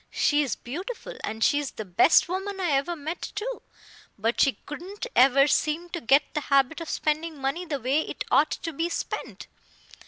She is beautiful, and she is the best woman I ever met, too. But she couldn't ever seem to get the habit of spending money the way it ought to be spent."